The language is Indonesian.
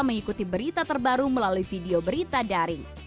mengikuti berita terbaru melalui video berita daring